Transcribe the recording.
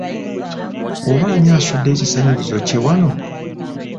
Oba ani asudde ekisanirizo kye wano?